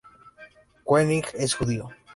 Koenig es judío.